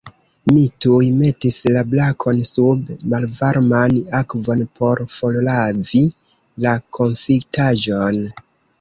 Mi tuj metis la brakon sub malvarman akvon por forlavi la konfitaĵon.